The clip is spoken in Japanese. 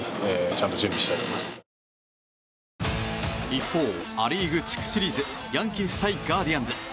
一方、ア・リーグ地区シリーズヤンキース対ガーディアンズ。